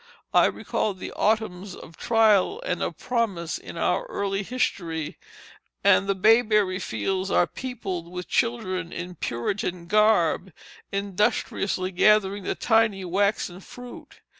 I recall the autumns of trial and of promise in our early history, and the bayberry fields are peopled with children in Puritan garb, industriously gathering the tiny waxen fruit.